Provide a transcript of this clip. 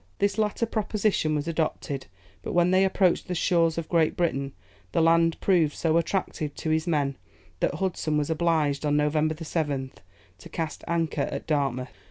This latter proposition was adopted; but when they approached the shores of Great Britain, the land proved so attractive to his men, that Hudson was obliged, on November 7th, to cast anchor at Dartmouth.